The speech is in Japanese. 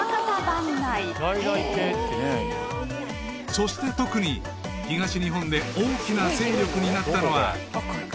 ［そして特に東日本で大きな勢力になったのは］